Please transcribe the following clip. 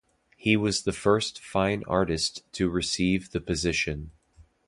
He was the first fine artist to receive the position.